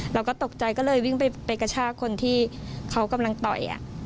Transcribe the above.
เราก็ตกใจก็เลยวิ่งไปกระชากคนที่เขากำลังต่อย